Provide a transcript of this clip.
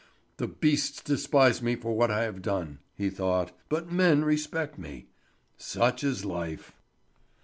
"The beasts despise me for what I have done," he thought, "but men respect me. Such is life!"